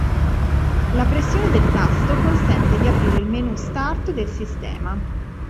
La pressione del tasto consente di aprire il menu Start del sistema.